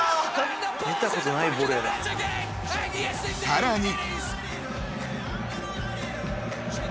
［さらに］